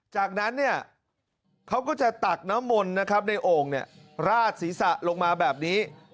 จากนั้นเนี่ยเขาก็จะตักน้ำมนต์นะครับในโอ่งราดศีรษะลงมาแบบนี้